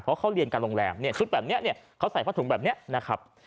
เพราะเขาเรียนการโรงแรมเนี่ยชุดแบบนี้เขาใส่ผ้าถุงแบบนี้นะครับ